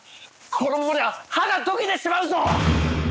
このままでは歯がとけてしまうぞ！